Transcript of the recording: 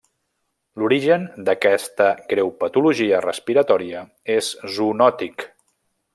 L'origen d'aquesta greu patologia respiratòria és zoonòtic.